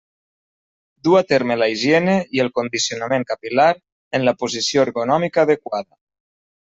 Du a terme la higiene i el condicionament capil·lar en la posició ergonòmica adequada.